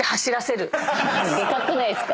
でかくないですか？